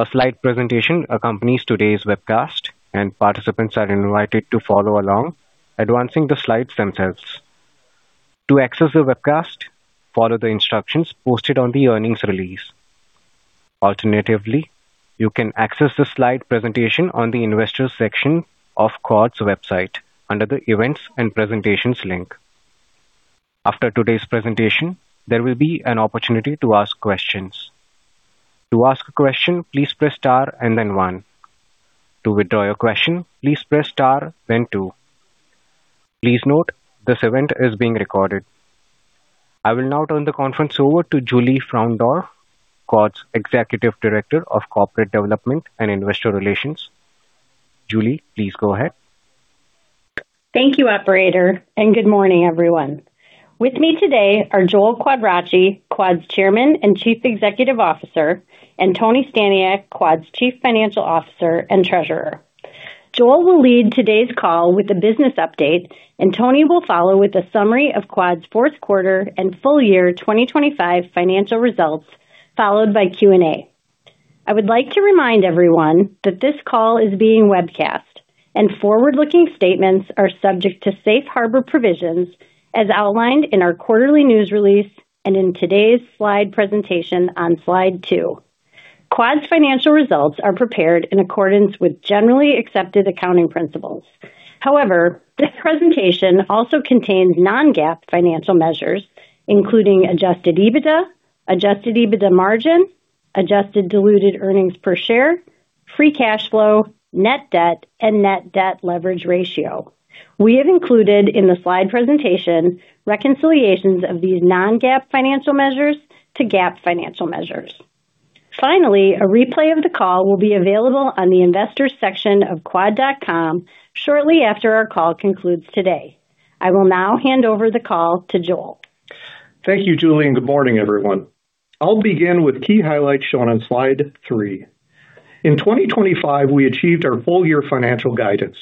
A slide presentation accompanies today's webcast, and participants are invited to follow along, advancing the slides themselves. To access the webcast, follow the instructions posted on the earnings release. Alternatively, you can access the slide presentation on the Investors section of Quad's website under the Events and Presentations link. After today's presentation, there will be an opportunity to ask questions. To ask a question, please press star one. To withdraw your question, please press star two. Please note, this event is being recorded. I will now turn the conference over to Julie Currie, Quad's Executive Vice President and Chief Revenue Officer. Julie, please go ahead. Thank you, operator, and good morning, everyone. With me today are Joel Quadracci, Quad's Chairman and Chief Executive Officer, and Tony Staniak, Quad's Chief Financial Officer and Treasurer. Joel will lead today's call with a business update, and Tony will follow with a summary of Quad's fourth quarter and full year 2025 financial results, followed by Q&A. I would like to remind everyone that this call is being webcast, and forward-looking statements are subject to Safe Harbor provisions, as outlined in our quarterly news release and in today's slide presentation on slide two. Quad's financial results are prepared in accordance with generally accepted accounting principles. However, this presentation also contains non-GAAP financial measures, including Adjusted EBITDA, Adjusted EBITDA margin, Adjusted Diluted Earnings Per Share, Free Cash Flow, Net Debt, and Net Debt Leverage Ratio. We have included in the slide presentation reconciliations of these non-GAAP financial measures to GAAP financial measures. Finally, a replay of the call will be available on the Investors section of quad.com shortly after our call concludes today. I will now hand over the call to Joel. Thank you, Julie, and good morning, everyone. I'll begin with key highlights shown on slide three. In 2025, we achieved our full-year financial guidance.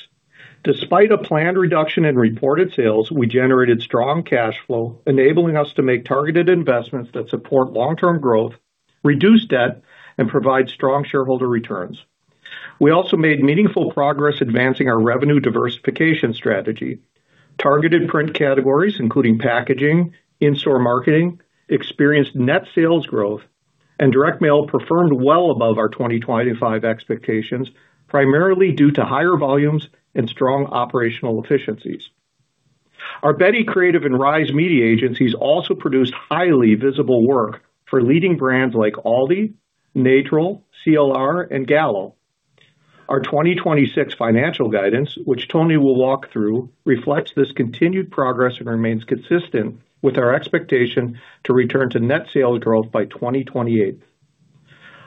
Despite a planned reduction in reported sales, we generated strong cash flow, enabling us to make targeted investments that support long-term growth, reduce debt, and provide strong shareholder returns. We also made meaningful progress advancing our revenue diversification strategy. Targeted print categories, including packaging, in-store marketing, experienced net sales growth, and direct mail performed well above our 2025 expectations, primarily due to higher volumes and strong operational efficiencies. Our Betty Creative and Rise Media agencies also produced highly visible work for leading brands like ALDI, Natrol, CLR, and Gallo. Our 2026 financial guidance, which Tony will walk through, reflects this continued progress and remains consistent with our expectation to return to net sales growth by 2028.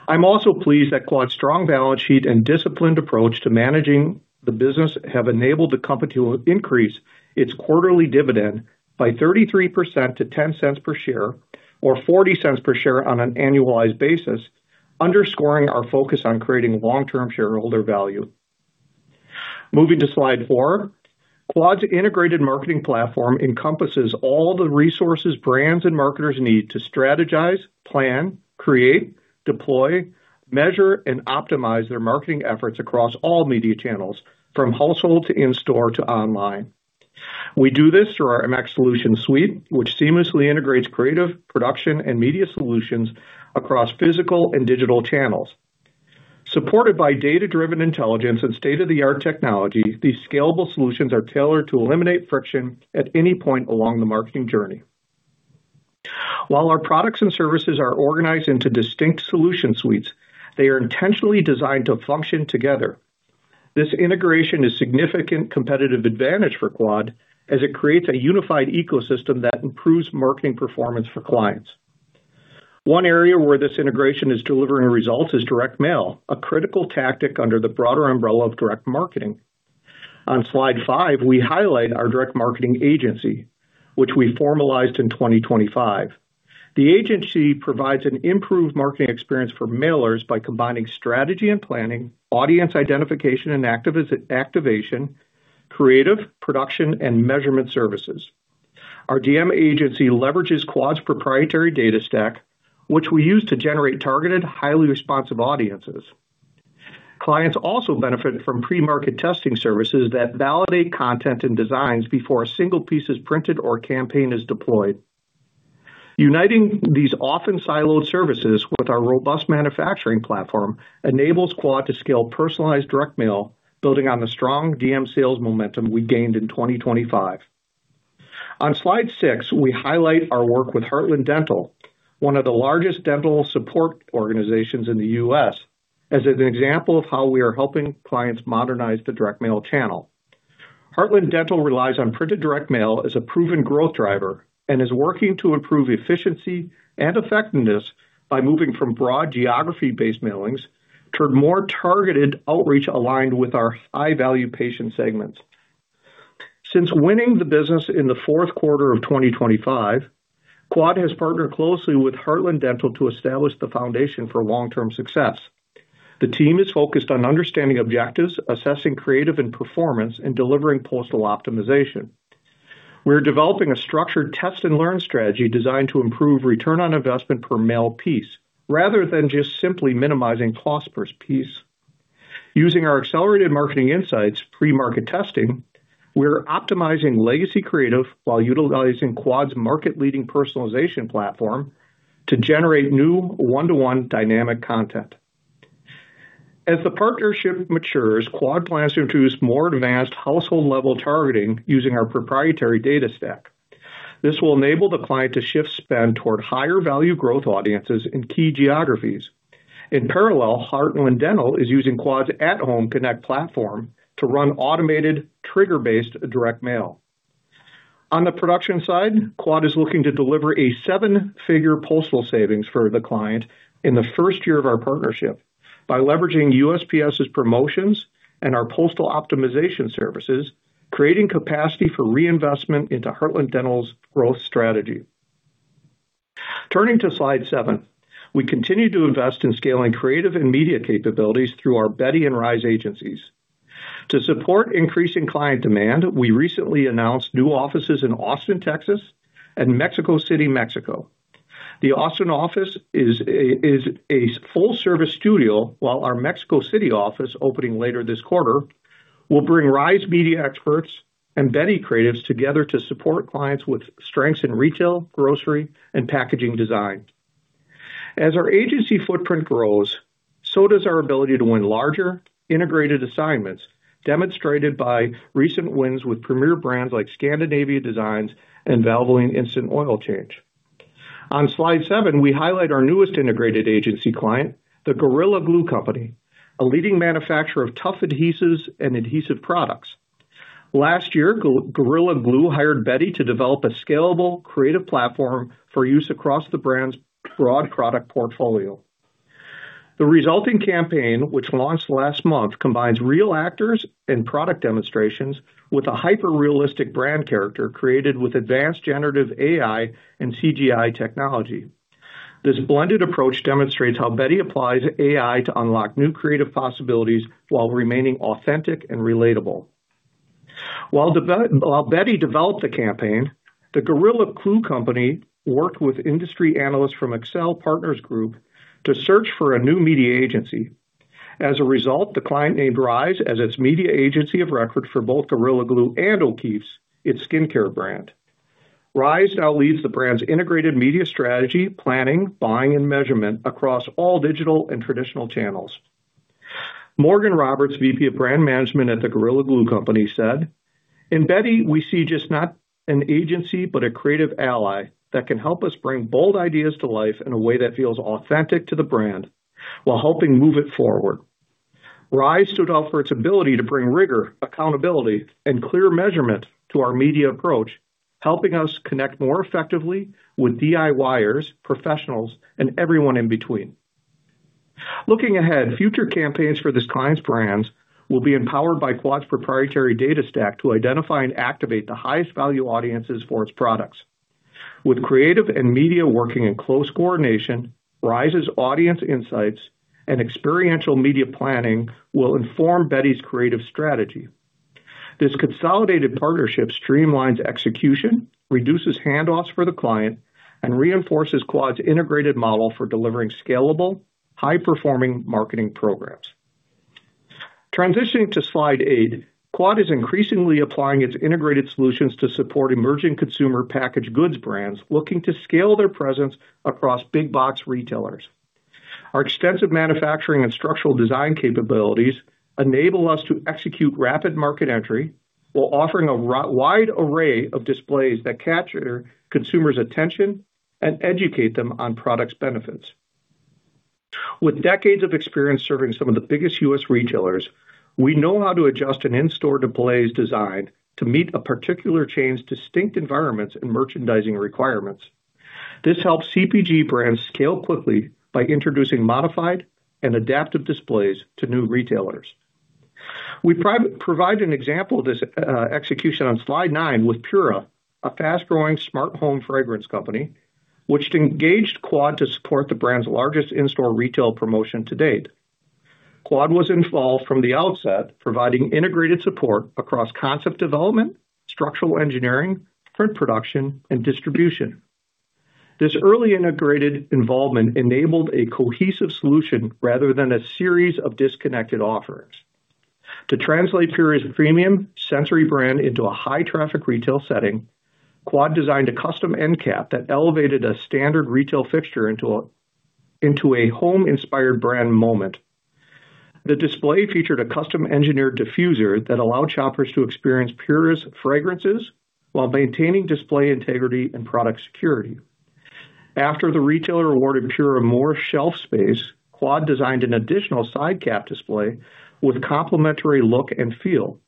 I'm also pleased that Quad's strong balance sheet and disciplined approach to managing the business have enabled the company to increase its quarterly dividend by 33% to $0.10 per share, or $0.40 per share on an annualized basis, underscoring our focus on creating long-term shareholder value. Moving to slide four. Quad's integrated marketing platform encompasses all the resources, brands, and marketers need to strategize, plan, create, deploy, measure, and optimize their marketing efforts across all media channels, from household to in-store to online. We do this through our MX Solutions Suite, which seamlessly integrates creative, production, and media solutions across physical and digital channels. Supported by data-driven intelligence and state-of-the-art technology, these scalable solutions are tailored to eliminate friction at any point along the marketing journey. While our products and services are organized into distinct solution suites, they are intentionally designed to function together. This integration is significant competitive advantage for Quad, as it creates a unified ecosystem that improves marketing performance for clients. One area where this integration is delivering results is direct mail, a critical tactic under the broader umbrella of direct marketing. On slide five, we highlight our direct marketing agency, which we formalized in 2025. The agency provides an improved marketing experience for mailers by combining strategy and planning, audience identification and activation, creative, production, and measurement services. Our DM agency leverages Quad's proprietary data stack, which we use to generate targeted, highly responsive audiences. Clients also benefit from pre-market testing services that validate content and designs before a single piece is printed or campaign is deployed. Uniting these often siloed services with our robust manufacturing platform enables Quad to scale personalized direct mail, building on the strong DM sales momentum we gained in 2025. On slide six, we highlight our work with Heartland Dental, one of the largest dental support organizations in the U.S., as an example of how we are helping clients modernize the direct mail channel. Heartland Dental relies on printed direct mail as a proven growth driver and is working to improve efficiency and effectiveness by moving from broad geography-based mailings toward more targeted outreach aligned with our high-value patient segments. Since winning the business in the fourth quarter of 2025, Quad has partnered closely with Heartland Dental to establish the foundation for long-term success. The team is focused on understanding objectives, assessing creative and performance, and delivering postal optimization.... We're developing a structured test and learn strategy designed to improve return on investment per mail piece, rather than just simply minimizing cost per piece. Using our accelerated marketing insights pre-market testing, we're optimizing legacy creative while utilizing Quad's market-leading personalization platform to generate new one-to-one dynamic content. As the partnership matures, Quad plans to introduce more advanced household-level targeting using our proprietary data stack. This will enable the client to shift spend toward higher value growth audiences in key geographies. In parallel, Heartland Dental is using Quad's At Home Connect platform to run automated, trigger-based direct mail. On the production side, Quad is looking to deliver a seven-figure postal savings for the client in the first year of our partnership by leveraging USPS's promotions and our postal optimization services, creating capacity for reinvestment into Heartland Dental's growth strategy. Turning to slide 7. We continue to invest in scaling creative and media capabilities through our Betty and Rise agencies. To support increasing client demand, we recently announced new offices in Austin, Texas, and Mexico City, Mexico. The Austin office is a full-service studio, while our Mexico City office, opening later this quarter, will bring Rise media experts and Betty creatives together to support clients with strengths in retail, grocery, and packaging design. As our agency footprint grows, so does our ability to win larger, integrated assignments, demonstrated by recent wins with premier brands like Scandinavian Designs and Valvoline Instant Oil Change. On slide seven, we highlight our newest integrated agency client, the Gorilla Glue Company, a leading manufacturer of tough adhesives and adhesive products. Last year, Gorilla Glue hired Betty to develop a scalable creative platform for use across the brand's broad product portfolio. The resulting campaign, which launched last month, combines real actors and product demonstrations with a hyper-realistic brand character created with advanced generative AI and CGI technology. This blended approach demonstrates how Betty applies AI to unlock new creative possibilities while remaining authentic and relatable. While Betty developed the campaign, The Gorilla Glue Company worked with industry analysts from AAR Partners Group to search for a new media agency. As a result, the client named Rise as its media agency of record for both Gorilla Glue and O'Keeffe's, its skincare brand. Rise now leads the brand's integrated media strategy, planning, buying and measurement across all digital and traditional channels. Morgan Roberts, VP of Brand Management at The Gorilla Glue Company, said: "In Betty, we see just not an agency, but a creative ally that can help us bring bold ideas to life in a way that feels authentic to the brand while helping move it forward. Rise stood out for its ability to bring rigor, accountability, and clear measurement to our media approach, helping us connect more effectively with DIYers, professionals, and everyone in between." Looking ahead, future campaigns for this client's brands will be empowered by Quad's proprietary data stack to identify and activate the highest value audiences for its products. With creative and media working in close coordination, Rise's audience insights and experiential media planning will inform Betty's creative strategy. This consolidated partnership streamlines execution, reduces handoffs for the client, and reinforces Quad's integrated model for delivering scalable, high-performing marketing programs. Transitioning to slide eight, Quad is increasingly applying its integrated solutions to support emerging consumer packaged goods brands looking to scale their presence across big box retailers. Our extensive manufacturing and structural design capabilities enable us to execute rapid market entry while offering a wide array of displays that capture consumers' attention and educate them on products' benefits. With decades of experience serving some of the biggest U.S. retailers, we know how to adjust an in-store display's design to meet a particular chain's distinct environments and merchandising requirements. This helps CPG brands scale quickly by introducing modified and adaptive displays to new retailers. We provide an example of this execution on slide nine with Pura, a fast-growing smart home fragrance company, which engaged Quad to support the brand's largest in-store retail promotion to date. Quad was involved from the outset, providing integrated support across concept development, structural engineering, print production, and distribution. This early integrated involvement enabled a cohesive solution rather than a series of disconnected offerings. To translate Pura's premium sensory brand into a high-traffic retail setting, Quad designed a custom end cap that elevated a standard retail fixture into a home-inspired brand moment. The display featured a custom engineered diffuser that allowed shoppers to experience Pura's fragrances while maintaining display integrity and product security. After the retailer awarded Pura more shelf space, Quad designed an additional sidecap display with complementary look and feel.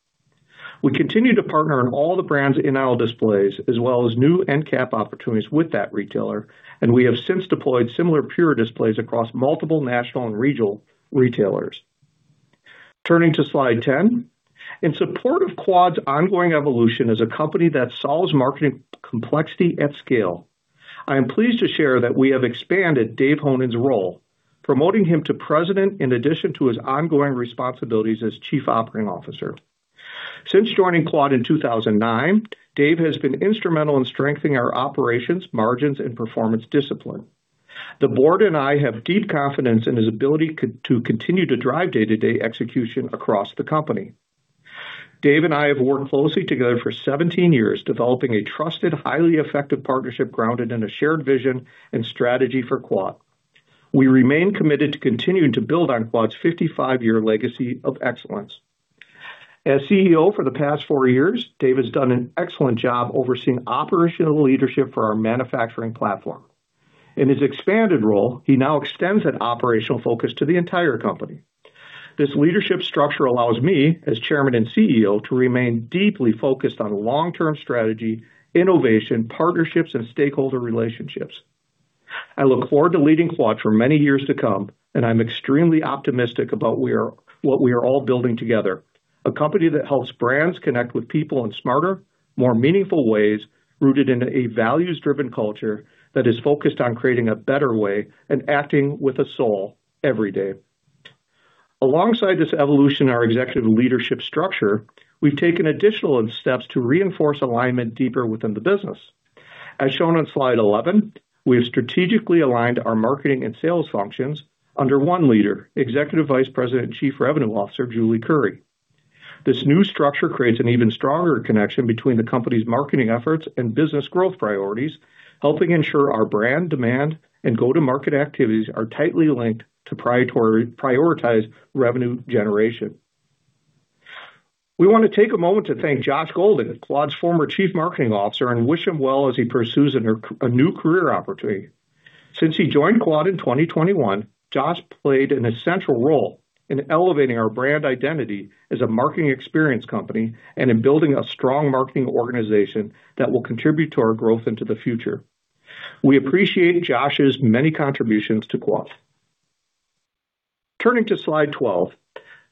We continue to partner on all the brand's in-aisle displays, as well as new end cap opportunities with that retailer, and we have since deployed similar Pura displays across multiple national and regional retailers. Turning to slide 10. In support of Quad's ongoing evolution as a company that solves marketing complexity at scale, I am pleased to share that we have expanded Dave Honan's role, promoting him to President, in addition to his ongoing responsibilities as Chief Operating Officer. Since joining Quad in 2009, Dave has been instrumental in strengthening our operations, margins, and performance discipline. The board and I have deep confidence in his ability to continue to drive day-to-day execution across the company. Dave and I have worked closely together for 17 years, developing a trusted, highly effective partnership grounded in a shared vision and strategy for Quad. We remain committed to continuing to build on Quad's 55-year legacy of excellence. As CEO for the past four years, Dave has done an excellent job overseeing operational leadership for our manufacturing platform. In his expanded role, he now extends that operational focus to the entire company. This leadership structure allows me, as Chairman and CEO, to remain deeply focused on long-term strategy, innovation, partnerships, and stakeholder relationships. I look forward to leading Quad for many years to come, and I'm extremely optimistic about what we are all building together, a company that helps brands connect with people in smarter, more meaningful ways, rooted in a values-driven culture that is focused on creating a better way and acting with a soul every day. Alongside this evolution in our executive leadership structure, we've taken additional steps to reinforce alignment deeper within the business. As shown on slide 11, we have strategically aligned our marketing and sales functions under one leader, Executive Vice President and Chief Revenue Officer, Julie Currie. This new structure creates an even stronger connection between the company's marketing efforts and business growth priorities, helping ensure our brand demand and go-to-market activities are tightly linked to prioritize revenue generation. We want to take a moment to thank Josh Golden, Quad's former Chief Marketing Officer, and wish him well as he pursues a new career opportunity. Since he joined Quad in 2021, Josh played an essential role in elevating our brand identity as a marketing experience company and in building a strong marketing organization that will contribute to our growth into the future. We appreciate Josh's many contributions to Quad. Turning to slide 12,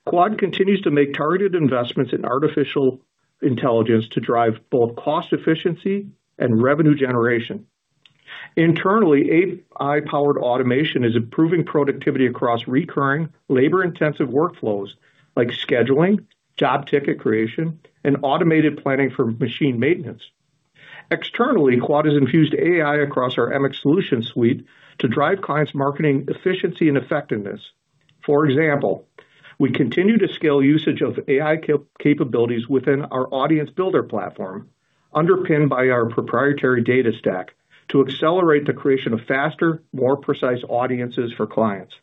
Quad continues to make targeted investments in artificial intelligence to drive both cost efficiency and revenue generation. Internally, AI-powered automation is improving productivity across recurring, labor-intensive workflows, like scheduling, job ticket creation, and automated planning for machine maintenance. Externally, Quad has infused AI across our MX Solutions Suite to drive clients' marketing efficiency and effectiveness. For example, we continue to scale usage of AI capabilities within our Audience Builder platform, underpinned by our proprietary data stack, to accelerate the creation of faster, more precise audiences for clients.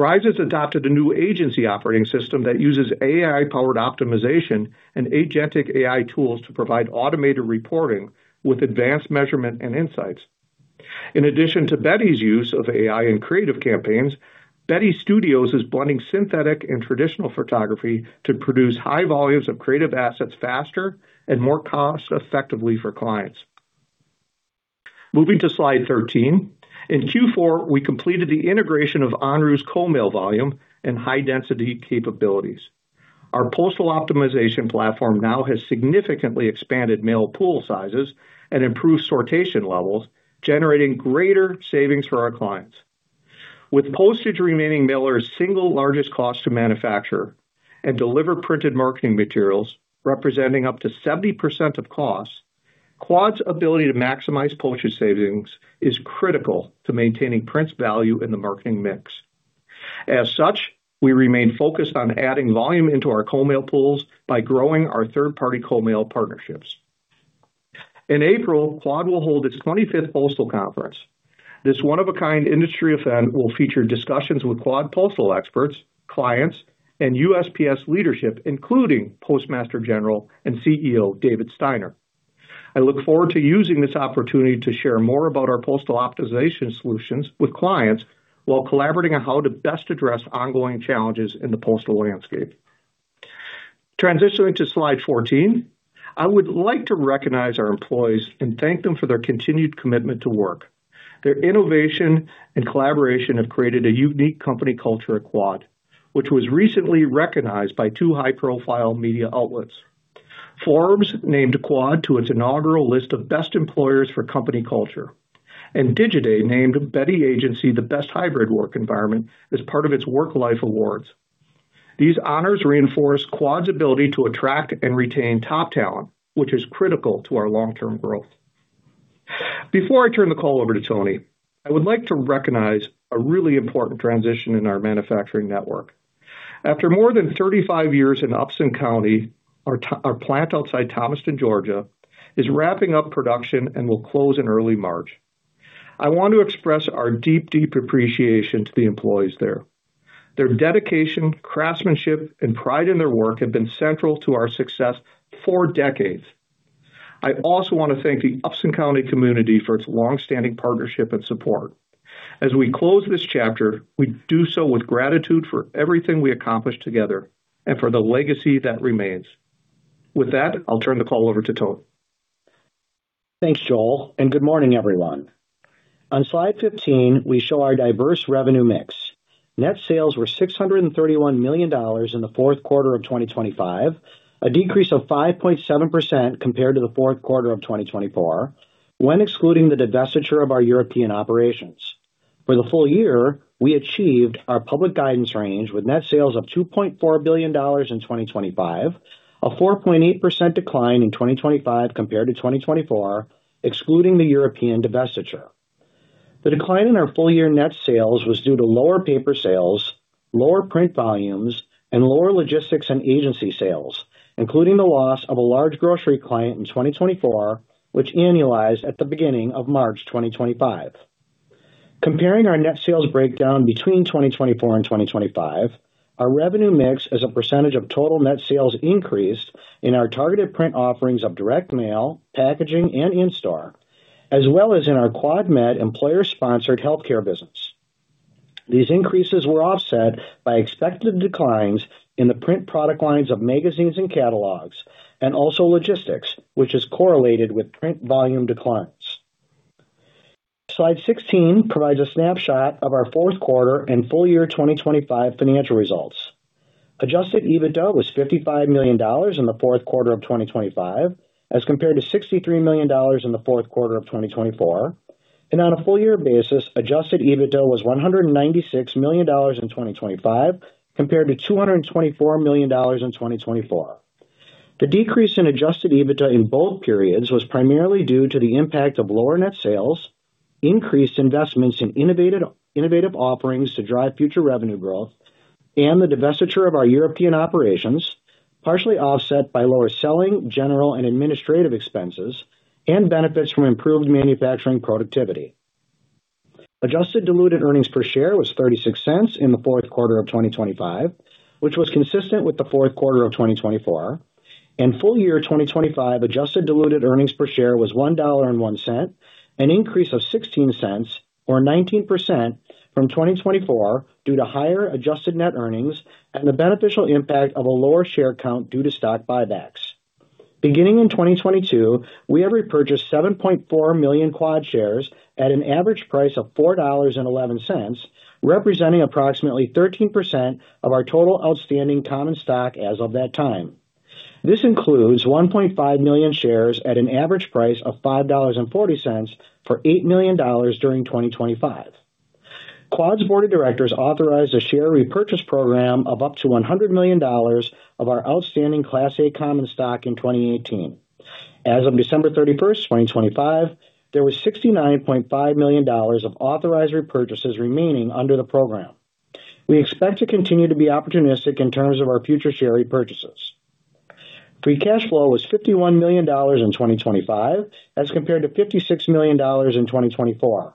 Rise has adopted a new agency operating system that uses AI-powered optimization and agentic AI tools to provide automated reporting with advanced measurement and insights. In addition to Betty's use of AI in creative campaigns, Betty Studios is blending synthetic and traditional photography to produce high volumes of creative assets faster and more cost-effectively for clients. Moving to slide 13. In Q4, we completed the integration of Andrews co-mail volume and high-density capabilities. Our postal optimization platform now has significantly expanded mail pool sizes and improved sortation levels, generating greater savings for our clients. With postage remaining mailer's single largest cost to manufacture and deliver printed marketing materials, representing up to 70% of costs, Quad's ability to maximize postage savings is critical to maintaining print's value in the marketing mix. As such, we remain focused on adding volume into our co-mail pools by growing our third-party co-mail partnerships. In April, Quad will hold its 25th postal conference. This one-of-a-kind industry event will feature discussions with Quad postal experts, clients, and USPS leadership, including Postmaster General and CEO, David Steinhardt. I look forward to using this opportunity to share more about our postal optimization solutions with clients, while collaborating on how to best address ongoing challenges in the postal landscape. Transitioning to slide 14, I would like to recognize our employees and thank them for their continued commitment to work. Their innovation and collaboration have created a unique company culture at Quad, which was recently recognized by two high-profile media outlets. Forbes named Quad to its inaugural list of Best Employers for Company Culture, and Digiday named Betty Agency the Best Hybrid Work Environment as part of its Work Life awards. These honors reinforce Quad's ability to attract and retain top talent, which is critical to our long-term growth. Before I turn the call over to Tony, I would like to recognize a really important transition in our manufacturing network. After more than 35 years in Upson County, our plant outside Thomaston, Georgia, is wrapping up production and will close in early March. I want to express our deep, deep appreciation to the employees there. Their dedication, craftsmanship, and pride in their work have been central to our success for decades. I also want to thank the Upson County community for its long-standing partnership and support. As we close this chapter, we do so with gratitude for everything we accomplished together and for the legacy that remains. With that, I'll turn the call over to Tony. Thanks, Joel, and good morning, everyone. On slide 15, we show our diverse revenue mix. Net sales were $631 million in the fourth quarter of 2025, a decrease of 5.7% compared to the fourth quarter of 2024, when excluding the divestiture of our European operations. For the full year, we achieved our public guidance range with net sales of $2.4 billion in 2025, a 4.8% decline in 2025 compared to 2024, excluding the European divestiture. The decline in our full year net sales was due to lower paper sales, lower print volumes, and lower logistics and agency sales, including the loss of a large grocery client in 2024, which annualized at the beginning of March 2025. Comparing our net sales breakdown between 2024 and 2025, our revenue mix as a percentage of total net sales increased in our targeted print offerings of direct mail, packaging, and in-store, as well as in our QuadMed employer-sponsored healthcare business. These increases were offset by expected declines in the print product lines of magazines and catalogs, and also logistics, which is correlated with print volume declines. Slide 16 provides a snapshot of our fourth quarter and full year 2025 financial results. Adjusted EBITDA was $55 million in the fourth quarter of 2025, as compared to $63 million in the fourth quarter of 2024. On a full year basis, adjusted EBITDA was $196 million in 2025, compared to $224 million in 2024. The decrease in adjusted EBITDA in both periods was primarily due to the impact of lower net sales, increased investments in innovative offerings to drive future revenue growth, and the divestiture of our European operations, partially offset by lower selling, general and administrative expenses and benefits from improved manufacturing productivity. Adjusted diluted earnings per share was $0.36 in the fourth quarter of 2025, which was consistent with the fourth quarter of 2024, and full-year 2025 adjusted diluted earnings per share was $1.01, an increase of $0.16 or 19% from 2024 due to higher adjusted net earnings and the beneficial impact of a lower share count due to stock buybacks. Beginning in 2022, we have repurchased 7.4 million Quad shares at an average price of $4.11, representing approximately 13% of our total outstanding common stock as of that time. This includes 1.5 million shares at an average price of $5.40 for $8 million during 2025. Quad's board of directors authorized a share repurchase program of up to $100 million of our outstanding Class A common stock in 2018. As of December 31, 2025, there was $69.5 million of authorized repurchases remaining under the program. We expect to continue to be opportunistic in terms of our future share repurchases. Free cash flow was $51 million in 2025, as compared to $56 million in 2024.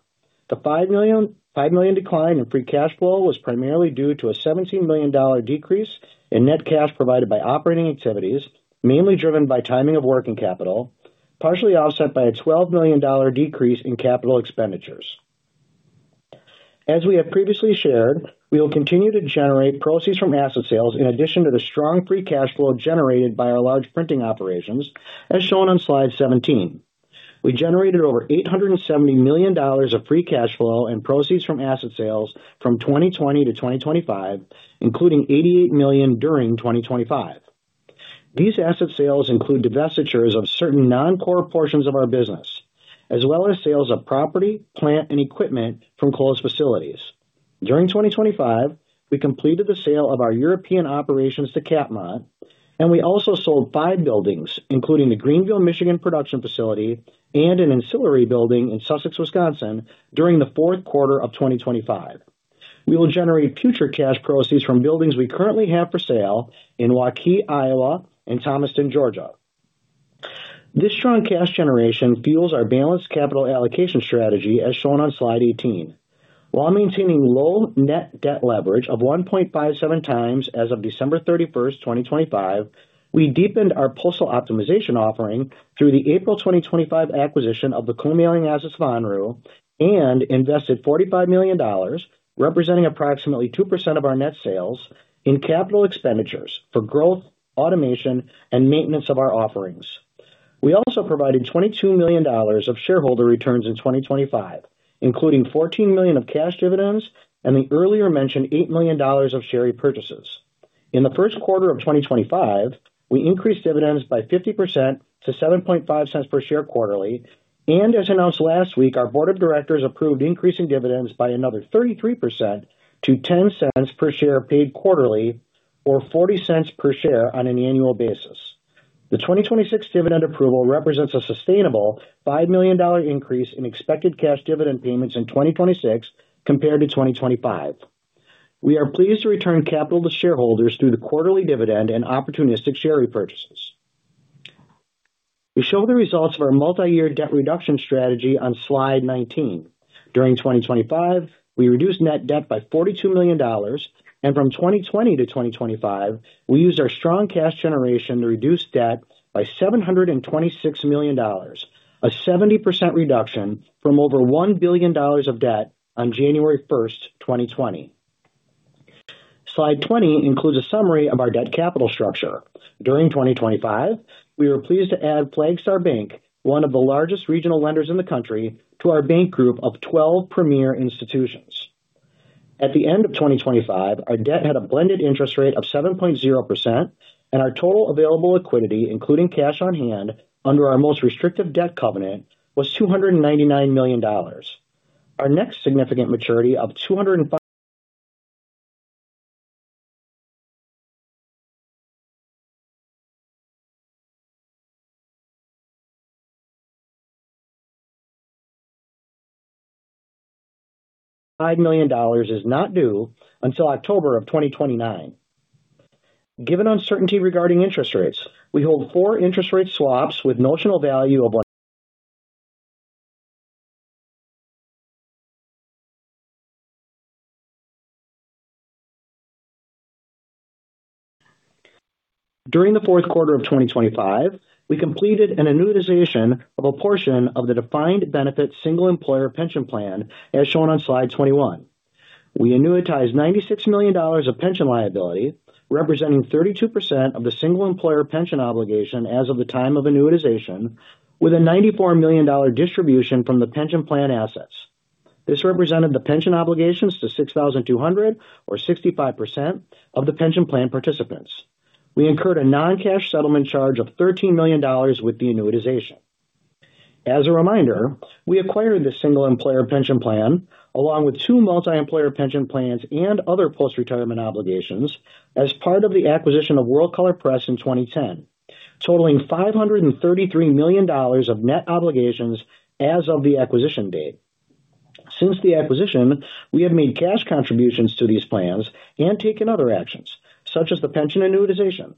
The $5 million, $5 million decline in free cash flow was primarily due to a $17 million decrease in net cash provided by operating activities, mainly driven by timing of working capital, partially offset by a $12 million decrease in capital expenditures. As we have previously shared, we will continue to generate proceeds from asset sales in addition to the strong free cash flow generated by our large printing operations, as shown on slide 17. We generated over $870 million of free cash flow and proceeds from asset sales from 2020 to 2025, including $88 million during 2025. These asset sales include divestitures of certain non-core portions of our business, as well as sales of property, plant, and equipment from closed facilities. During 2025, we completed the sale of our European operations to CapMan, and we also sold five buildings, including the Greenville, Michigan, production facility and an ancillary building in Sussex, Wisconsin, during the fourth quarter of 2025. We will generate future cash proceeds from buildings we currently have for sale in Waukee, Iowa, and Thomaston, Georgia. This strong cash generation fuels our balanced capital allocation strategy, as shown on slide 18. While maintaining low net debt leverage of 1.57x as of December 31st, 2025, we deepened our postal optimization offering through the April 2025 acquisition of Andrews, and invested $45 million, representing approximately 2% of our net sales in capital expenditures for growth, automation, and maintenance of our offerings. We also provided $22 million of shareholder returns in 2025, including $14 million of cash dividends and the earlier mentioned $8 million of share repurchases. In the first quarter of 2025, we increased dividends by 50% to $0.075 per share quarterly. As announced last week, our board of directors approved increasing dividends by another 33% to $0.10 per share paid quarterly or $0.40 per share on an annual basis. The 2026 dividend approval represents a sustainable $5 million increase in expected cash dividend payments in 2026 compared to 2025. We are pleased to return capital to shareholders through the quarterly dividend and opportunistic share repurchases. We show the results of our multi-year debt reduction strategy on slide 19. During 2025, we reduced net debt by $42 million, and from 2020 to 2025, we used our strong cash generation to reduce debt by $726 million, a 70% reduction from over $1 billion of debt on January 1st, 2020. Slide 20 includes a summary of our debt capital structure. During 2025, we were pleased to add Flagstar Bank, one of the largest regional lenders in the country, to our bank group of 12 premier institutions. At the end of 2025, our debt had a blended interest rate of 7.0%, and our total available liquidity, including cash on hand, under our most restrictive debt covenant, was $299 million. Our next significant maturity of $205 million is not due until October 2029. Given uncertainty regarding interest rates, we hold four interest rate swaps with notional value of one. During the fourth quarter of 2025, we completed an annuitization of a portion of the defined benefit single employer pension plan, as shown on slide 21. We annuitized $96 million of pension liability, representing 32% of the single employer pension obligation as of the time of annuitization, with a $94 million distribution from the pension plan assets. This represented the pension obligations to 6,200, or 65%, of the pension plan participants. We incurred a non-cash settlement charge of $13 million with the annuitization. As a reminder, we acquired this single employer pension plan, along with two multi-employer pension plans and other post-retirement obligations, as part of the acquisition of World Color Press in 2010, totaling $533 million of net obligations as of the acquisition date. Since the acquisition, we have made cash contributions to these plans and taken other actions, such as the pension annuitization,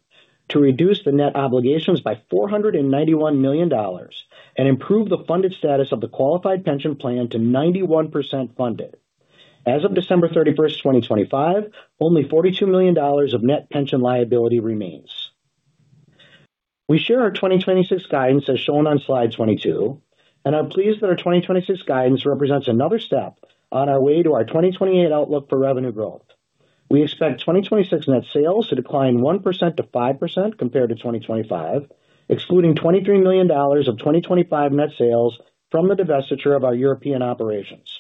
to reduce the net obligations by $491 million and improve the funded status of the qualified pension plan to 91% funded. As of December 31st, 2025, only $42 million of net pension liability remains. We share our 2026 guidance, as shown on slide 22, and I'm pleased that our 2026 guidance represents another step on our way to our 2028 outlook for revenue growth. We expect 2026 net sales to decline 1%-5% compared to 2025, excluding $23 million of 2025 net sales from the divestiture of our European operations.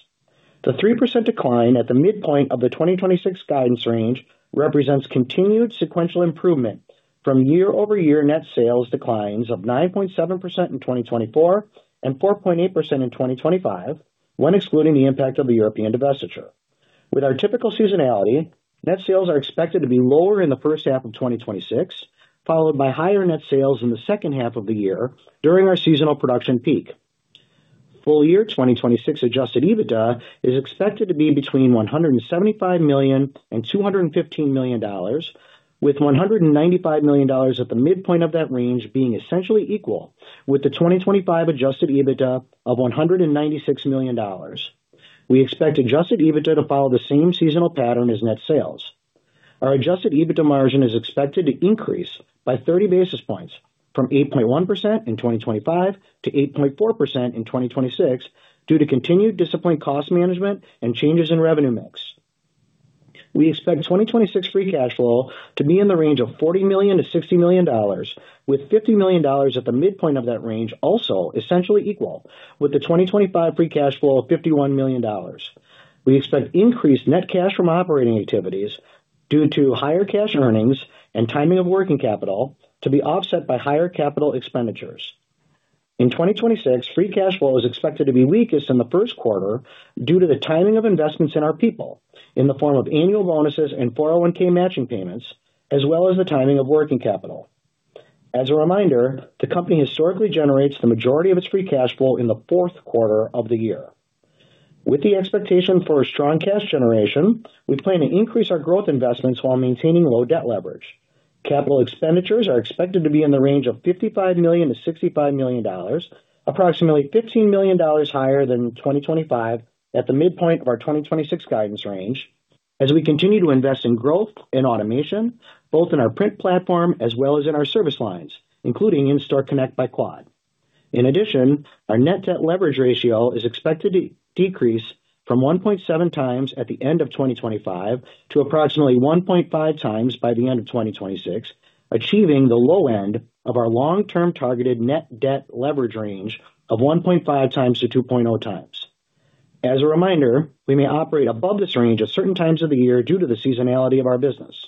The 3% decline at the midpoint of the 2026 guidance range represents continued sequential improvement from year-over-year net sales declines of 9.7% in 2024 and 4.8% in 2025, when excluding the impact of the European divestiture. With our typical seasonality, net sales are expected to be lower in the first half of 2026, followed by higher net sales in the second half of the year during our seasonal production peak. Full year 2026 Adjusted EBITDA is expected to be between $175 million and $215 million, with $195 million at the midpoint of that range being essentially equal with the 2025 Adjusted EBITDA of $196 million. We expect Adjusted EBITDA to follow the same seasonal pattern as net sales. Our Adjusted EBITDA Margin is expected to increase by 30 basis points from 8.1% in 2025 to 8.4% in 2026, due to continued disciplined cost management and changes in revenue mix. We expect 2026 free cash flow to be in the range of $40 million to $60 million, with $50 million at the midpoint of that range, also essentially equal with the 2025 free cash flow of $51 million. We expect increased net cash from operating activities due to higher cash earnings and timing of working capital to be offset by higher capital expenditures. In 2026, free cash flow is expected to be weakest in the first quarter due to the timing of investments in our people, in the form of annual bonuses and 401(k) matching payments, as well as the timing of working capital. As a reminder, the company historically generates the majority of its free cash flow in the fourth quarter of the year. With the expectation for a strong cash generation, we plan to increase our growth investments while maintaining low debt leverage. Capital expenditures are expected to be in the range of $55 million-$65 million, approximately $15 million higher than 2025 at the midpoint of our 2026 guidance range, as we continue to invest in growth and automation, both in our print platform as well as in our service lines, including In-Store Connect by Quad. In addition, our Net Debt Leverage Ratio is expected to decrease from 1.7x at the end of 2025 to approximately 1.5x by the end of 2026, achieving the low end of our long-term targeted Net Debt Leverage Ratio range of 1.5x-2.0x. As a reminder, we may operate above this range at certain times of the year due to the seasonality of our business.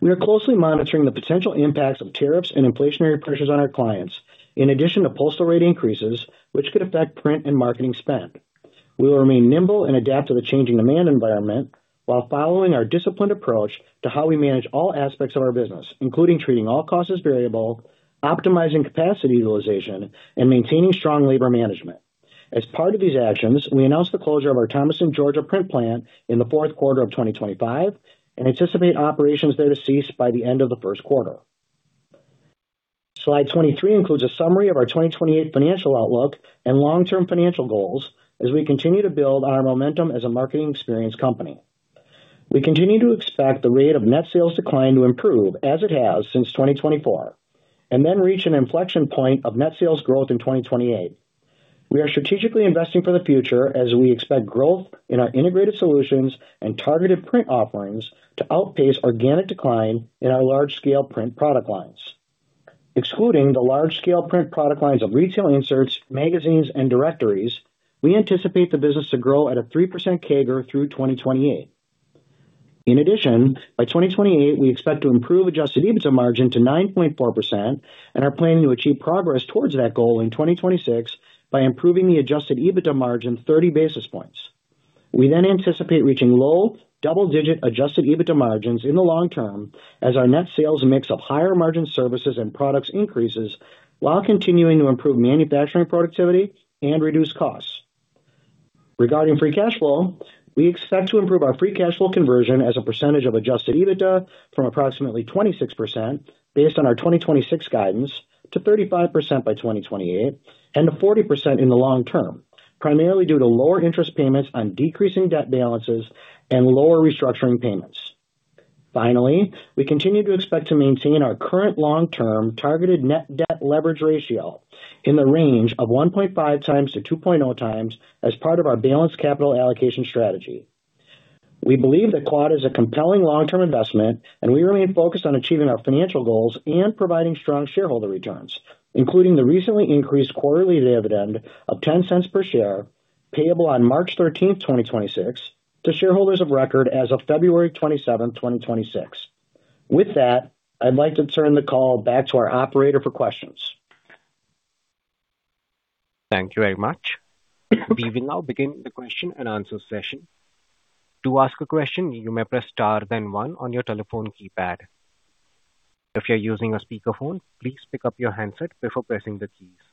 We are closely monitoring the potential impacts of tariffs and inflationary pressures on our clients, in addition to postal rate increases, which could affect print and marketing spend. We will remain nimble and adapt to the changing demand environment while following our disciplined approach to how we manage all aspects of our business, including treating all costs as variable, optimizing capacity utilization, and maintaining strong labor management. As part of these actions, we announced the closure of our Thomaston, Georgia, print plant in the fourth quarter of 2025 and anticipate operations there to cease by the end of the first quarter. Slide 23 includes a summary of our 2028 financial outlook and long-term financial goals as we continue to build on our momentum as a marketing experience company. We continue to expect the rate of net sales decline to improve, as it has since 2024, and then reach an inflection point of net sales growth in 2028. We are strategically investing for the future as we expect growth in our integrated solutions and targeted print offerings to outpace organic decline in our large-scale print product lines. Excluding the large-scale print product lines of retail inserts, magazines, and directories, we anticipate the business to grow at a 3% CAGR through 2028. In addition, by 2028, we expect to improve adjusted EBITDA margin to 9.4% and are planning to achieve progress towards that goal in 2026 by improving the adjusted EBITDA margin 30 basis points. We then anticipate reaching low double-digit adjusted EBITDA margins in the long term as our net sales mix of higher margin services and products increases, while continuing to improve manufacturing productivity and reduce costs. Regarding free cash flow, we expect to improve our free cash flow conversion as a percentage of Adjusted EBITDA from approximately 26%, based on our 2026 guidance, to 35% by 2028 and to 40% in the long term, primarily due to lower interest payments on decreasing debt balances and lower restructuring payments. Finally, we continue to expect to maintain our current long-term targeted Net Debt Leverage Ratio in the range of 1.5x-2.0x as part of our balanced capital allocation strategy. We believe that Quad is a compelling long-term investment, and we remain focused on achieving our financial goals and providing strong shareholder returns, including the recently increased quarterly dividend of $0.10 per share, payable on March 13th, 2026, to shareholders of record as of February 27th, 2026. With that, I'd like to turn the call back to our operator for questions. Thank you very much. We will now begin the question and answer session. To ask a question, you may press star then one on your telephone keypad. If you're using a speakerphone, please pick up your handset before pressing the keys.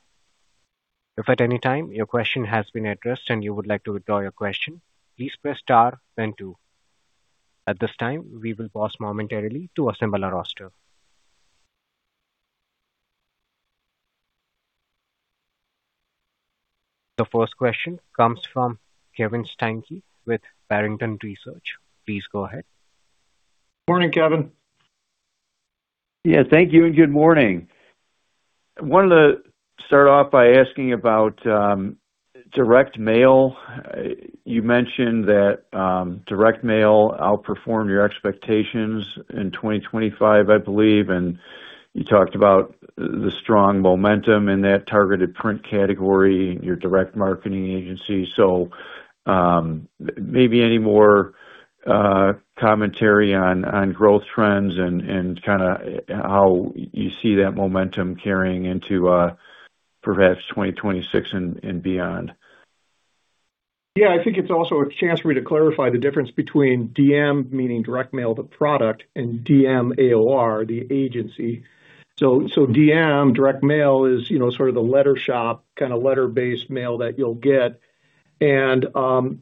If at any time your question has been addressed and you would like to withdraw your question, please press star then two. At this time, we will pause momentarily to assemble our roster. The first question comes from Kevin Steinke with Barrington Research. Please go ahead. Morning, Kevin. Yeah, thank you and good morning. Wanted to start off by asking about direct mail. You mentioned that direct mail outperformed your expectations in 2025, I believe, and you talked about the strong momentum in that targeted print category and your direct marketing agency. So, maybe any more commentary on growth trends and kind of how you see that momentum carrying into perhaps 2026 and beyond? Yeah, I think it's also a chance for me to clarify the difference between DM, meaning direct mail, the product, and DMAOR, the agency. So, so DM, direct mail is, you know, sort of the letter shop, kind of letter-based mail that you'll get. And,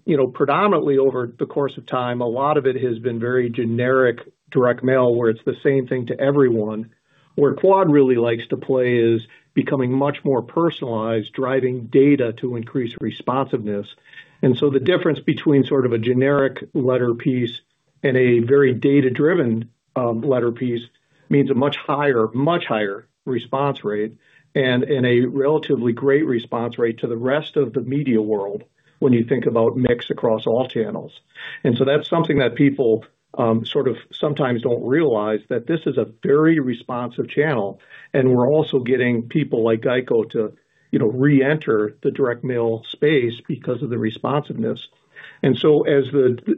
you know, predominantly over the course of time, a lot of it has been very generic, direct mail, where it's the same thing to everyone. Where Quad really likes to play is becoming much more personalized, driving data to increase responsiveness. And so the difference between sort of a generic letter piece and a very data-driven, letter piece means a much higher, much higher response rate and, and a relatively great response rate to the rest of the media world when you think about mix across all channels. And so that's something that people, sort of sometimes don't realize, that this is a very responsive channel, and we're also getting people like GEICO to, you know, reenter the direct mail space because of the responsiveness. And so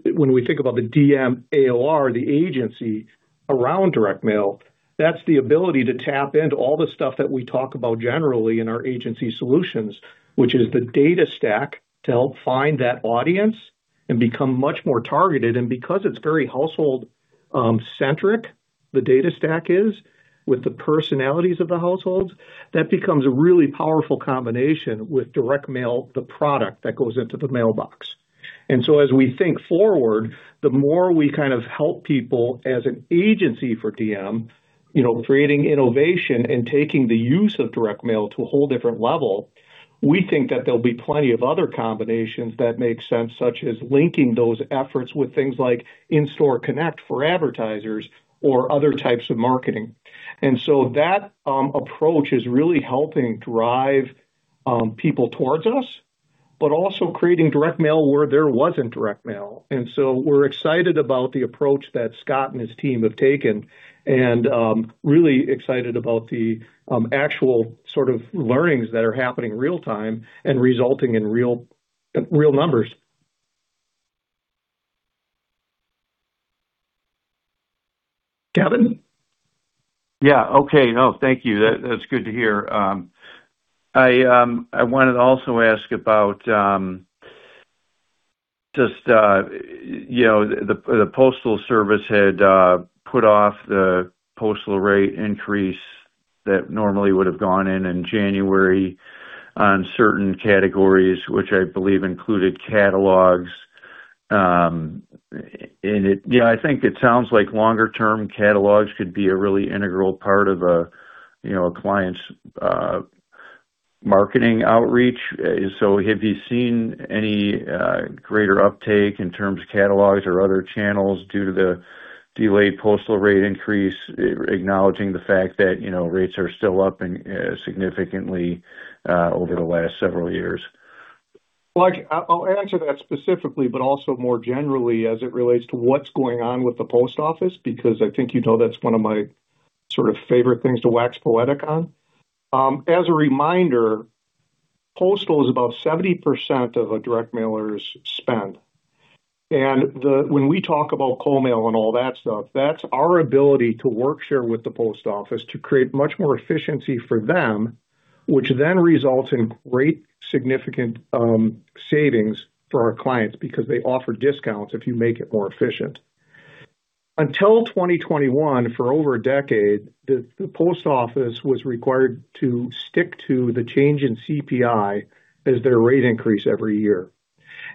when we think about the DMAOR, the agency around direct mail, that's the ability to tap into all the stuff that we talk about generally in our agency solutions, which is the data stack, to help find that audience and become much more targeted. And because it's very household centric, the data stack is, with the personalities of the households, that becomes a really powerful combination with direct mail, the product that goes into the mailbox. And so as we think forward, the more we kind of help people as an agency for DM, you know, creating innovation and taking the use of direct mail to a whole different level, we think that there'll be plenty of other combinations that make sense, such as linking those efforts with things like In-Store Connect for advertisers or other types of marketing. And so that approach is really helping drive people towards us, but also creating direct mail where there wasn't direct mail. And so we're excited about the approach that Scott and his team have taken and really excited about the actual sort of learnings that are happening real time and resulting in real, real numbers. Kevin? Yeah. Okay. No, thank you. That's good to hear. I wanted to also ask about, just, you know, the Postal Service had put off the postal rate increase that normally would have gone in January on certain categories, which I believe included catalogs. Yeah, I think it sounds like longer-term catalogs could be a really integral part of a, you know, a client's marketing outreach. So have you seen any greater uptake in terms of catalogs or other channels due to the delayed postal rate increase, acknowledging the fact that, you know, rates are still up significantly over the last several years? Well, I'll answer that specifically, but also more generally as it relates to what's going on with the Post Office, because I think you know that's one of my sort of favorite things to wax poetic on. As a reminder, postal is about 70% of a direct mailer's spend. When we talk about co-mail and all that stuff, that's our ability to work share with the Post Office to create much more efficiency for them, which then results in great significant savings for our clients because they offer discounts if you make it more efficient. Until 2021, for over a decade, the Post Office was required to stick to the change in CPI as their rate increase every year.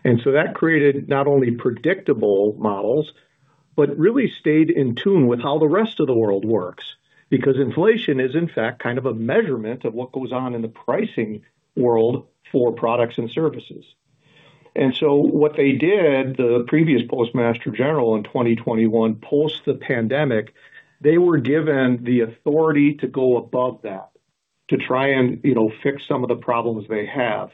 And so that created not only predictable models, but really stayed in tune with how the rest of the world works, because inflation is, in fact, kind of a measurement of what goes on in the pricing world for products and services. And so what they did, the previous postmaster general in 2021, post the pandemic, they were given the authority to go above that, to try and, you know, fix some of the problems they have.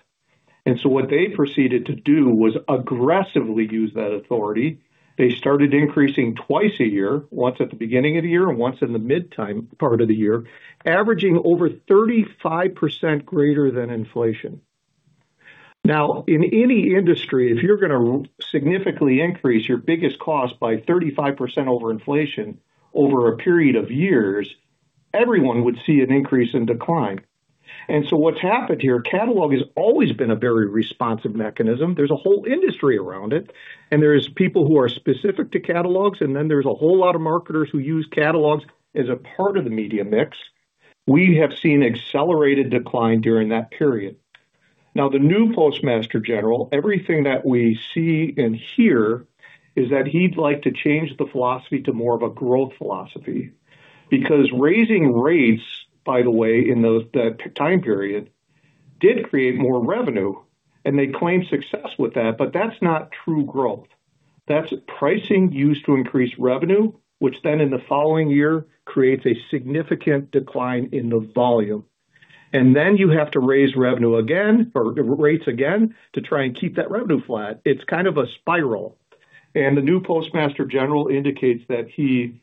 And so what they proceeded to do was aggressively use that authority. They started increasing twice a year, once at the beginning of the year and once in the mid-time part of the year, averaging over 35% greater than inflation. Now, in any industry, if you're gonna significantly increase your biggest cost by 35% over inflation over a period of years, everyone would see an increase and decline. And so what's happened here, catalog has always been a very responsive mechanism. There's a whole industry around it, and there is people who are specific to catalogs, and then there's a whole lot of marketers who use catalogs as a part of the media mix. We have seen accelerated decline during that period. Now, the new Postmaster General, everything that we see and hear, is that he'd like to change the philosophy to more of a growth philosophy. Because raising rates, by the way, in those- that time period, did create more revenue, and they claimed success with that, but that's not true growth. That's pricing used to increase revenue, which then, in the following year, creates a significant decline in the volume. And then you have to raise revenue again or rates again to try and keep that revenue flat. It's kind of a spiral. And the new Postmaster General indicates that he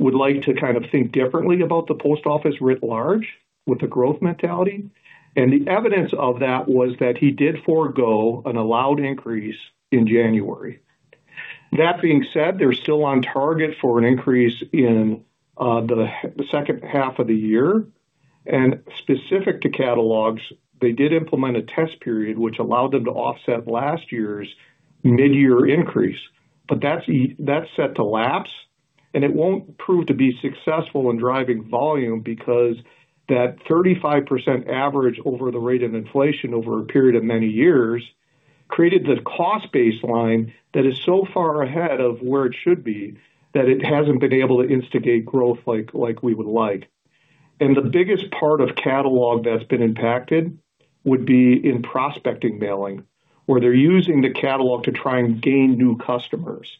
would like to kind of think differently about the Post Office writ large with a growth mentality. And the evidence of that was that he did forego an allowed increase in January. That being said, they're still on target for an increase in the second half of the year. And specific to catalogs, they did implement a test period, which allowed them to offset last year's mid-year increase. But that's set to lapse, and it won't prove to be successful in driving volume because that 35% average over the rate of inflation over a period of many years created this cost baseline that is so far ahead of where it should be, that it hasn't been able to instigate growth like we would like. The biggest part of catalog that's been impacted would be in prospecting mailing, where they're using the catalog to try and gain new customers.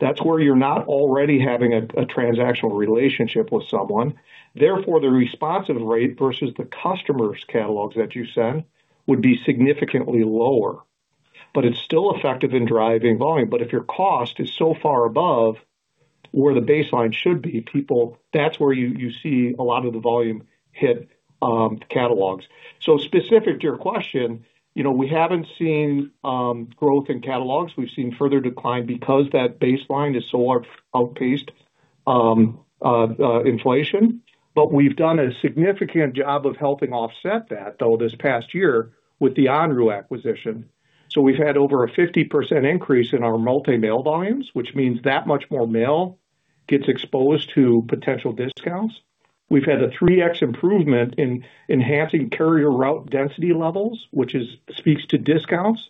That's where you're not already having a transactional relationship with someone. Therefore, the responsive rate versus the customer's catalogs that you send would be significantly lower, but it's still effective in driving volume. But if your cost is so far above where the baseline should be, people. That's where you see a lot of the volume hit, catalogs. So specific to your question, you know, we haven't seen growth in catalogs. We've seen further decline because that baseline is so far outpaced inflation. But we've done a significant job of helping offset that, though, this past year with the Andrew acquisition. So we've had over a 50% increase in our co-mail volumes, which means that much more mail gets exposed to potential discounts. We've had a 3x improvement in enhancing carrier route density levels, which is—speaks to discounts.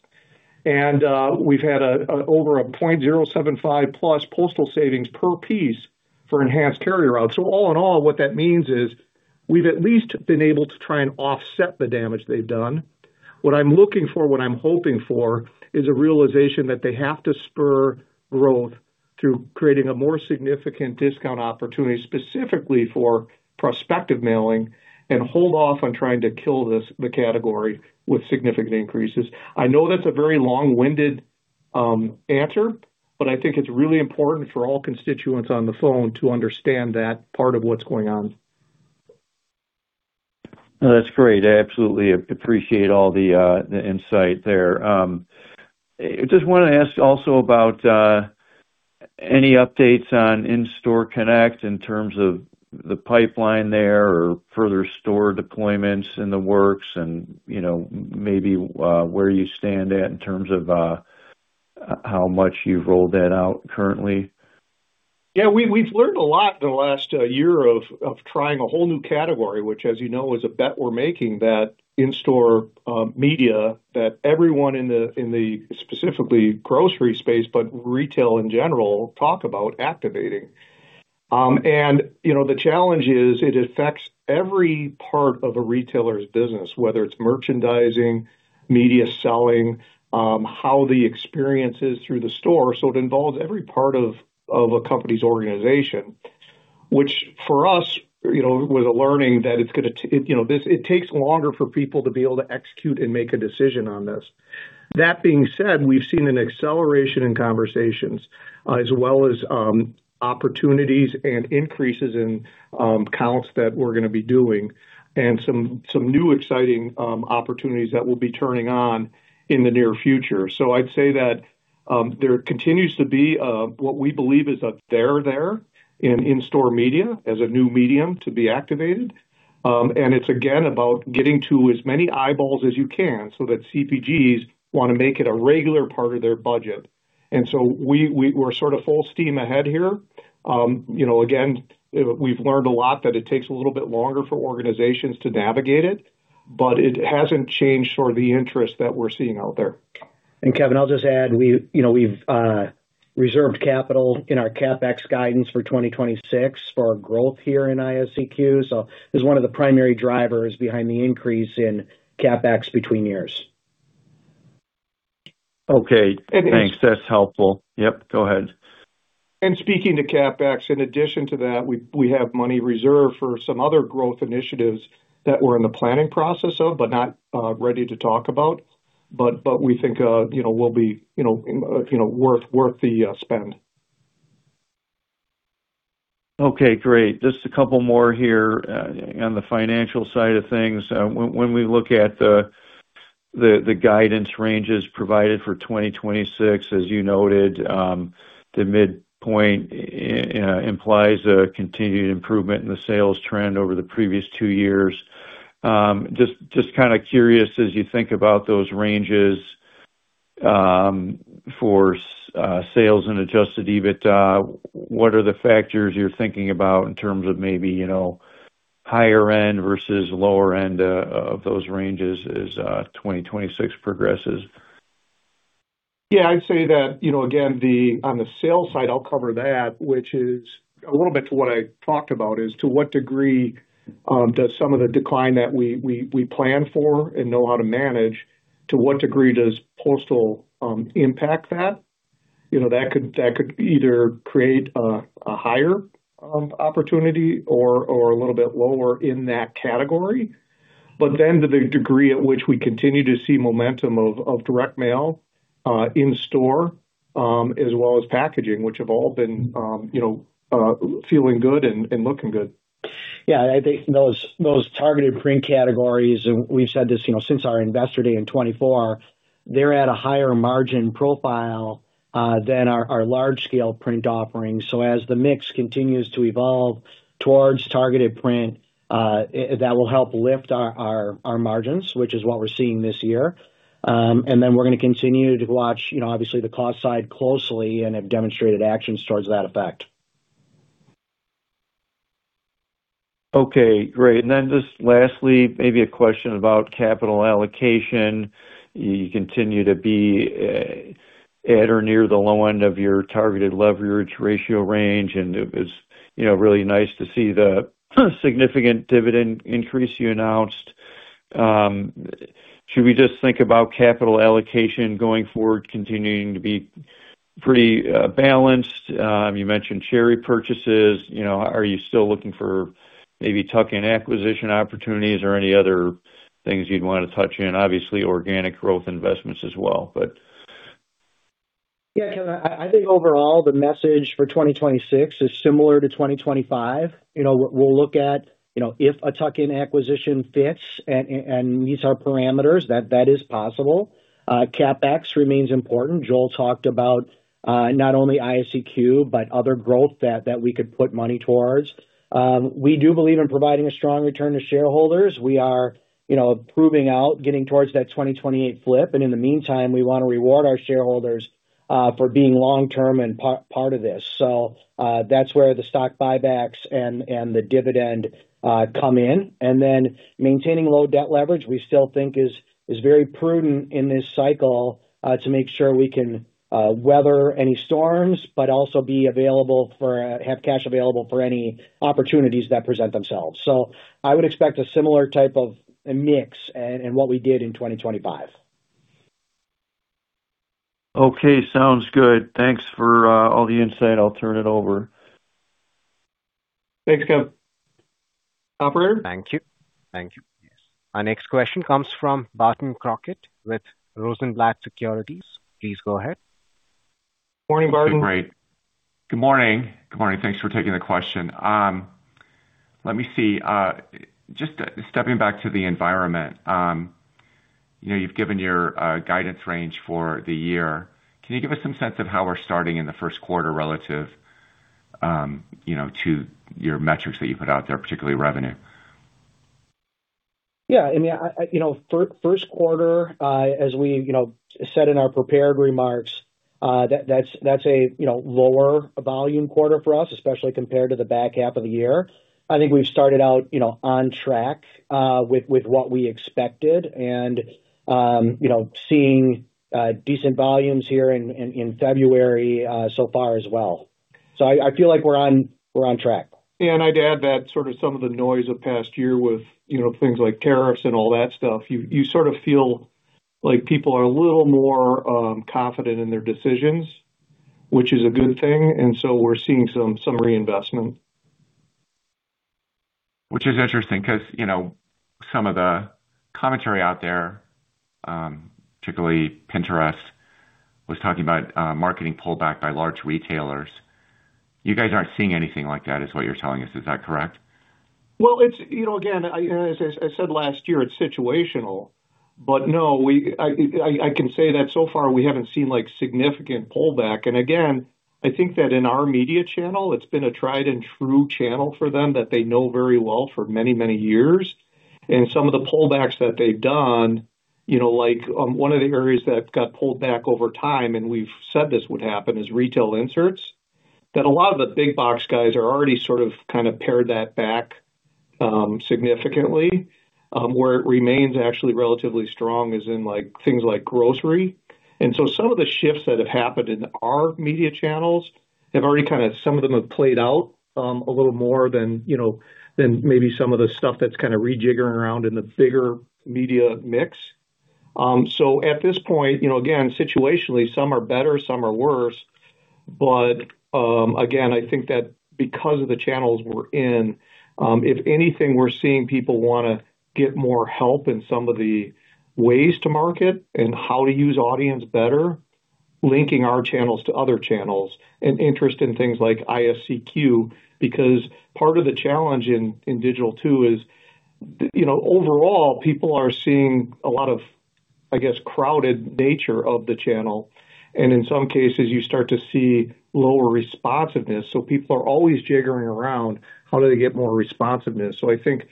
And we've had over 0.075+ postal savings per piece for enhanced carrier routes. So all in all, what that means is, we've at least been able to try and offset the damage they've done. What I'm looking for, what I'm hoping for, is a realization that they have to spur growth through creating a more significant discount opportunity, specifically for prospective mailing, and hold off on trying to kill this, the category with significant increases. I know that's a very long-winded, answer, but I think it's really important for all constituents on the phone to understand that part of what's going on. That's great. I absolutely appreciate all the insight there. I just wanted to ask also about any updates on In-Store Connect in terms of the pipeline there or further store deployments in the works and, you know, maybe where you stand at in terms of how much you've rolled that out currently? Yeah, we, we've learned a lot in the last year of trying a whole new category, which, as you know, is a bet we're making that in-store media, that everyone in the specifically grocery space, but retail in general, talk about activating. And you know, the challenge is it affects every part of a retailer's business, whether it's merchandising, media selling, how the experience is through the store. So it involves every part of a company's organization, which for us, you know, was a learning that it's gonna, you know, it takes longer for people to be able to execute and make a decision on this. That being said, we've seen an acceleration in conversations, as well as opportunities and increases in counts that we're gonna be doing, and some new exciting opportunities that we'll be turning on in the near future. So I'd say that there continues to be what we believe is a there there in in-store media as a new medium to be activated. And it's again, about getting to as many eyeballs as you can so that CPGs wanna make it a regular part of their budget. And so we're sort of full steam ahead here. You know, again, we've learned a lot, that it takes a little bit longer for organizations to navigate it, but it hasn't changed sort of the interest that we're seeing out there. And Kevin, I'll just add, we, you know, we've reserved capital in our CapEx guidance for 2026 for our growth here in ISC. So it's one of the primary drivers behind the increase in CapEx between years. Okay, thanks. That's helpful. Yep, go ahead. Speaking to CapEx, in addition to that, we have money reserved for some other growth initiatives that we're in the planning process of, but not ready to talk about. But we think, you know, we'll be, you know, you know, worth the spend. Okay, great. Just a couple more here, on the financial side of things. When, when we look at the, the, the guidance ranges provided for 2026, as you noted, the midpoint, implies a continued improvement in the sales trend over the previous two years. Just, just kind of curious, as you think about those ranges, for sales and Adjusted EBITDA, what are the factors you're thinking about in terms of maybe, you know, higher end versus lower end, of those ranges as, 2026 progresses? Yeah, I'd say that, you know, again, on the sales side, I'll cover that, which is a little bit to what I talked about, is to what degree does some of the decline that we plan for and know how to manage, to what degree does postal impact that? You know, that could either create a higher opportunity or a little bit lower in that category. But then to the degree at which we continue to see momentum of direct mail, In-Store, as well as packaging, which have all been, you know, feeling good and looking good. Yeah, I think those targeted print categories, and we've said this, you know, since our Investor Day in 2024, they're at a higher margin profile than our large scale print offerings. So as the mix continues to evolve towards targeted print, that will help lift our margins, which is what we're seeing this year. And then we're gonna continue to watch, you know, obviously the cost side closely and have demonstrated actions towards that effect. Okay, great. And then just lastly, maybe a question about capital allocation. You continue to be at or near the low end of your targeted leverage ratio range, and it is, you know, really nice to see the significant dividend increase you announced. Should we just think about capital allocation going forward, continuing to be pretty balanced? You mentioned share repurchases. You know, are you still looking for maybe tuck-in acquisition opportunities or any other things you'd want to touch in? Obviously, organic growth investments as well, but... Yeah, Kevin, I think overall the message for 2026 is similar to 2025. You know, we'll look at, you know, if a tuck-in acquisition fits and meets our parameters, that is possible. CapEx remains important. Joel talked about not only In-Store, but other growth that we could put money towards. We do believe in providing a strong return to shareholders. We are, you know, approving out, getting towards that 2028 flip, and in the meantime, we want to reward our shareholders for being long-term and part of this. So, that's where the stock buybacks and the dividend come in. And then maintaining low debt leverage, we still think is very prudent in this cycle to make sure we can weather any storms, but also be available for... Have cash available for any opportunities that present themselves. So I would expect a similar type of a mix in what we did in 2025. Okay, sounds good. Thanks for all the insight. I'll turn it over. Thanks, Kevin. Operator? Thank you. Thank you. Our next question comes from Barton Crockett with Rosenblatt Securities. Please go ahead. Morning, Barton. Great. Good morning. Good morning. Thanks for taking the question. Let me see. Just stepping back to the environment, you know, you've given your guidance range for the year. Can you give us some sense of how we're starting in the first quarter relative, you know, to your metrics that you put out there, particularly revenue? Yeah, I mean, you know, first quarter, as we, you know, said in our prepared remarks, that's a, you know, lower volume quarter for us, especially compared to the back half of the year. I think we've started out, you know, on track, with what we expected and, you know, seeing decent volumes here in February, so far as well. So I feel like we're on track. Yeah, and I'd add that sort of some of the noise of past year with, you know, things like tariffs and all that stuff, you sort of feel like people are a little more confident in their decisions, which is a good thing, and so we're seeing some reinvestment. Which is interesting 'cause, you know, some of the commentary out there, particularly Pinterest, was talking about, marketing pullback by large retailers. You guys aren't seeing anything like that, is what you're telling us, is that correct? Well, it's you know, again, as I said last year, it's situational. But no, I can say that so far we haven't seen, like, significant pullback. And again, I think that in our media channel, it's been a tried-and-true channel for them that they know very well for many, many years. And some of the pullbacks that they've done, you know, like, one of the areas that got pulled back over time, and we've said this would happen, is retail inserts, that a lot of the big box guys are already sort of, kind of pared that back significantly. Where it remains actually relatively strong is in, like, things like grocery. And so some of the shifts that have happened in our media channels have already kind of some of them have played out, a little more than, you know, than maybe some of the stuff that's kind of rejiggering around in the bigger media mix. So at this point, you know, again, situationally, some are better, some are worse. But, again, I think that because of the channels we're in, if anything, we're seeing people wanna get more help in some of the ways to market and how to use audience better, linking our channels to other channels, and interest in things like In-Store. Because part of the challenge in digital, too, is, you know, overall, people are seeing a lot of, I guess, crowded nature of the channel, and in some cases, you start to see lower responsiveness. So people are always jiggering around, how do they get more responsiveness? So I think,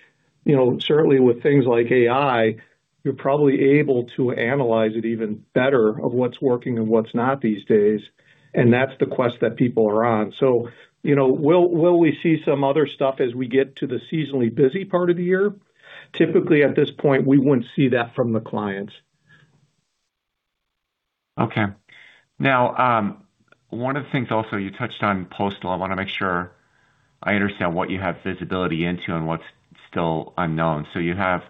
you know, certainly with things like AI, you're probably able to analyze it even better of what's working and what's not these days, and that's the quest that people are on. So, you know, will, will we see some other stuff as we get to the seasonally busy part of the year? Typically, at this point, we wouldn't see that from the clients. Okay. Now, one of the things also, you touched on postal. I wanna make sure I understand what you have visibility into and what's still unknown. So you have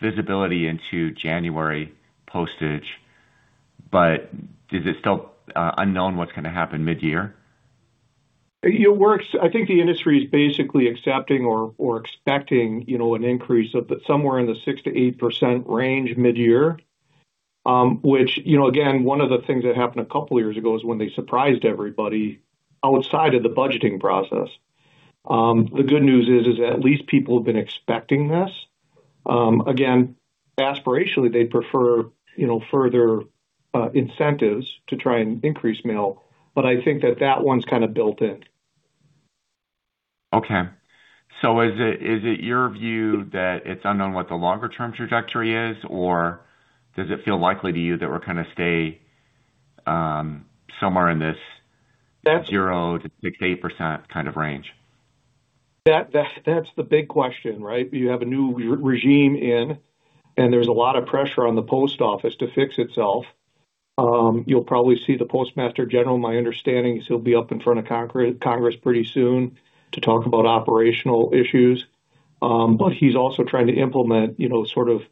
visibility into January postage, but is it still unknown what's gonna happen midyear? It works... I think the industry is basically accepting or expecting, you know, an increase of somewhere in the 6%-8% range midyear. Which, you know, again, one of the things that happened a couple of years ago is when they surprised everybody outside of the budgeting process. The good news is at least people have been expecting this. Again, aspirationally, they'd prefer, you know, further incentives to try and increase mail, but I think that one's kind of built in. Okay. So is it, is it your view that it's unknown what the longer term trajectory is, or does it feel likely to you that we're gonna stay somewhere in this- That- 0% to 6% to 8% kind of range? That, that, that's the big question, right? You have a new regime in, and there's a lot of pressure on the Post Office to fix itself. You'll probably see the Postmaster General, my understanding is he'll be up in front of Congress pretty soon to talk about operational issues. But he's also trying to implement, you know, sort of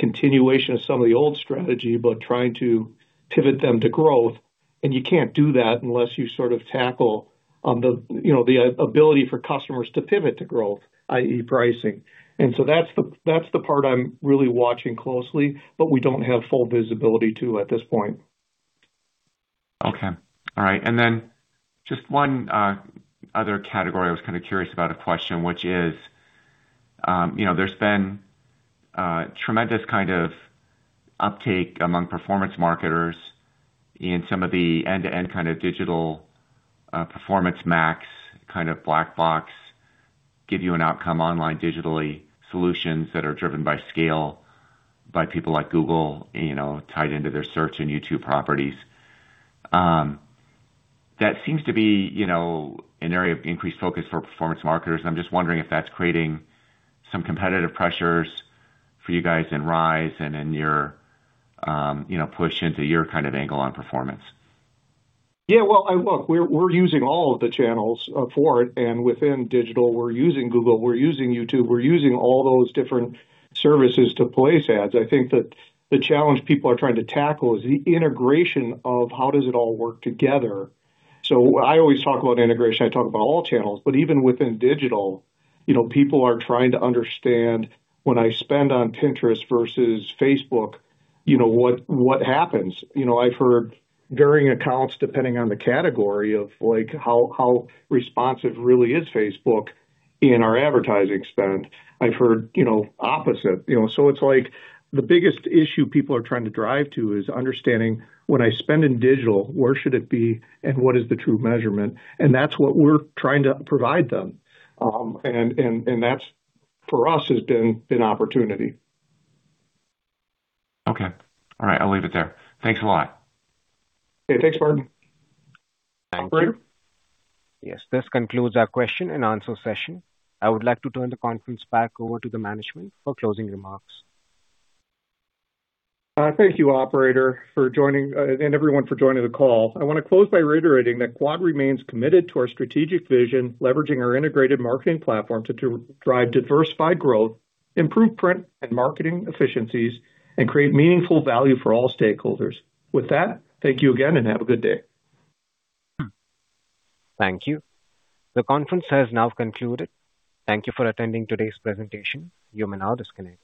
continuation of some of the old strategy, but trying to pivot them to growth. And you can't do that unless you sort of tackle on the, you know, the ability for customers to pivot to growth, i.e., pricing. And so that's the, that's the part I'm really watching closely, but we don't have full visibility to at this point. Okay. All right, and then just one other category I was kind of curious about a question, which is, you know, there's been tremendous kind of uptake among performance marketers in some of the end-to-end kind of digital Performance Max, kind of black box, give you an outcome online, digitally, solutions that are driven by scale, by people like Google, you know, tied into their search and YouTube properties. That seems to be, you know, an area of increased focus for performance marketers. I'm just wondering if that's creating some competitive pressures for you guys in Rise and in your, you know, push into your kind of angle on performance. Yeah, well, and look, we're, we're using all of the channels for it, and within digital, we're using Google, we're using YouTube, we're using all those different services to place ads. I think that the challenge people are trying to tackle is the integration of how does it all work together. So I always talk about integration, I talk about all channels, but even within digital, you know, people are trying to understand, when I spend on Pinterest versus Facebook, you know, what happens? You know, I've heard varying accounts, depending on the category, of like, how responsive really is Facebook in our advertising spend. I've heard, you know, opposite. You know, so it's like the biggest issue people are trying to drive to is understanding, when I spend in digital, where should it be, and what is the true measurement? And that's what we're trying to provide them. That's, for us, has been an opportunity. Okay. All right, I'll leave it there. Thanks a lot. Okay, thanks, Barton. Thank you. Yes, this concludes our question-and-answer session. I would like to turn the conference back over to the management for closing remarks. Thank you, operator, for joining, and everyone for joining the call. I want to close by reiterating that Quad remains committed to our strategic vision, leveraging our integrated marketing platform to, to drive diversified growth, improve print and marketing efficiencies, and create meaningful value for all stakeholders. With that, thank you again, and have a good day. Thank you. The conference has now concluded. Thank you for attending today's presentation. You may now disconnect.